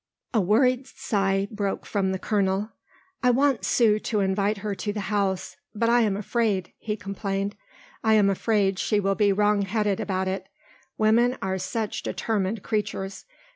A worried sigh broke from the colonel. "I want Sue to invite her to the house, but I am afraid," he complained; "I am afraid she will be wrong headed about it. Women are such determined creatures.